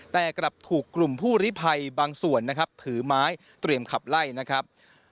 แต่กลับถูกกลุ่มผู้ลิภัยบางส่วนนะครับถือไม้เตรียมขับไล่นะครับ